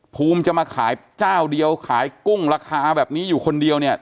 ภูมิจะมาขายเจ้าเดียวขายกุ้งราคาแบบนี้อยู่คนเดียวเนี่ย